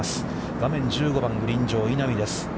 画面は１５番、グリーン上、稲見です。